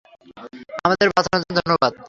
আমাদের বাঁচানোর জন্য ধন্যবাদ।